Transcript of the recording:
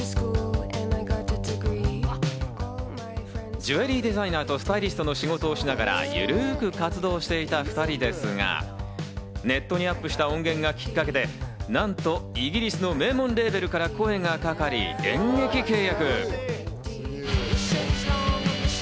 ジュエリーデザイナーとスタイリストの仕事をしながら、ゆるく活動していた２人ですが、ネットにアップした音源がきっかけで、なんと、イギリスの名門レーベルから声がかかり、電撃契約。